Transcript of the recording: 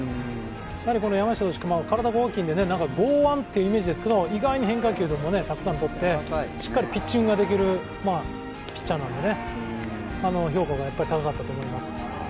山下投手、体が大きいので剛腕というイメージですけど、意外に変化球でもたくさんとって、しっかりピッチングできるピッチャーなので評価が高かったと思います。